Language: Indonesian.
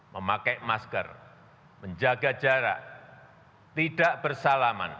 memakai masker menjaga jarak tidak bersalaman